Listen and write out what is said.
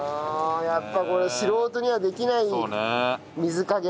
やっぱこれ素人にはできない水加減。